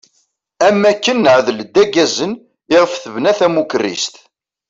Am akken neɛdel-d aggazen iɣef tebna tamukerrist.